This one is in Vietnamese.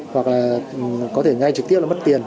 hoặc là có thể ngay trực tiếp là mất tiền